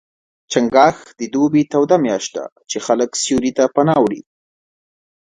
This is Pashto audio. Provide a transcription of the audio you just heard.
چنګاښ د دوبي توده میاشت ده، چې خلک سیوري ته پناه وړي.